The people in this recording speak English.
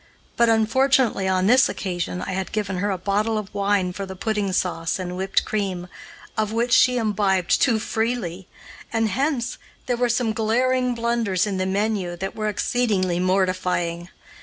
But, unfortunately, on this occasion I had given her a bottle of wine for the pudding sauce and whipped cream, of which she imbibed too freely, and hence there were some glaring blunders in the menu that were exceedingly mortifying.